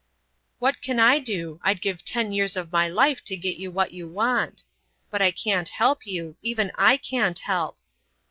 "What can I do? I'd give ten years of my life to get you what you want. But I can't help you; even I can't help."